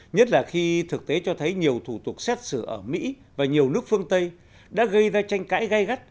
nhất là khi thực tế cho thấy nhiều thủ tục xét xử ở mỹ và nhiều nước phương tây đã gây ra tranh cãi gai gắt